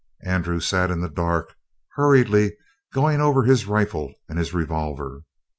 Andrew sat in the dark, hurriedly going over his rifle and his revolver.